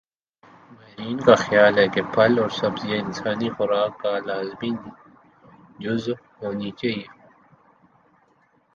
ماہرین کا خیال ہے کہ پھل اور سبزیاں انسانی خوراک کا لازمی جز ہونی چاہئیں